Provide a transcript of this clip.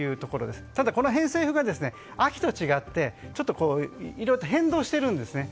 ただ、この偏西風が秋とは違ってちょっと変動しているんですね。